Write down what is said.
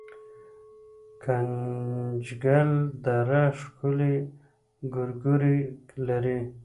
ګنجګل دره ښکلې ګورګوي لري